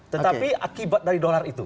tetapi akibat dari dolar itu